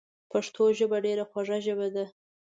پښتو ژبه ډیره خوږه ژبه ده